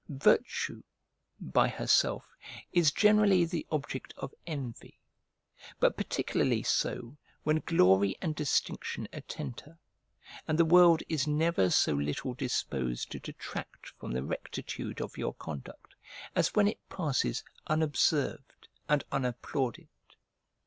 Virtue, by herself, is generally the object of envy, but particularly so when glory and distinction attend her; and the world is never so little disposed to detract from the rectitude of your conduct as when it passes unobserved and unapplauded.